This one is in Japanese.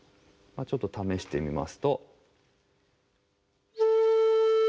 ちょっと試してみますと。